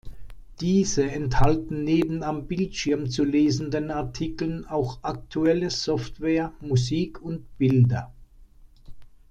Diese enthalten neben am Bildschirm zu lesenden Artikeln auch aktuelle Software, Musik und Bilder.